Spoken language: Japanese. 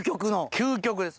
究極です。